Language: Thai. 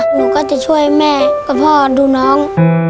หนูก็จะช่วยแม่กับพ่อดูน้อง